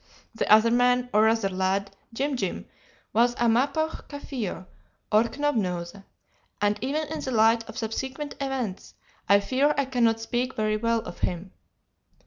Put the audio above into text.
The other man, or rather lad, Jim Jim, was a Mapoch Kaffir, or Knobnose, and even in the light of subsequent events I fear I cannot speak very well of him.